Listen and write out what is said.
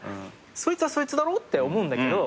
そいつはそいつだろ？って思うんだけど。